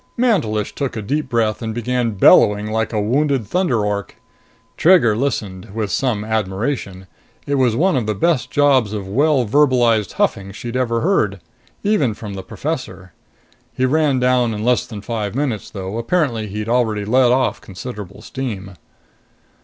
Mantelish took a deep breath and began bellowing like a wounded thunder ork. Trigger listened, with some admiration. It was one of the best jobs of well verbalized huffing she'd heard, even from the professor. He ran down in less than five minutes, though apparently he'd already let off considerable steam.